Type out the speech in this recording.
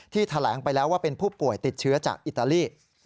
แถลงไปแล้วว่าเป็นผู้ป่วยติดเชื้อจากอิตาลี